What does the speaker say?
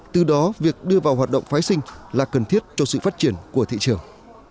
từ đó việc đưa vào hoạt động phái sinh là cần thiết cho sự phát triển của thị trường